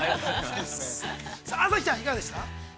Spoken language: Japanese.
◆朝日ちゃん、いかがでしたか。